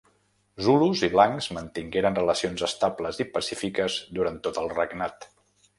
Zulus i blancs mantingueren relacions estables i pacífiques durant tot el regnat.